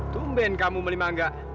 tumben kamu melima angka